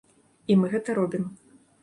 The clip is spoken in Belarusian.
І мы гэта робім.